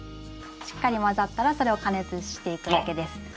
しっかり混ざったらそれを加熱していくだけです。